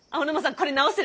これ治せる？